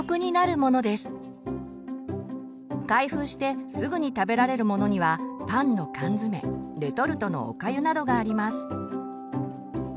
開封してすぐに食べられるものにはパンの缶詰レトルトのおかゆなどがあります。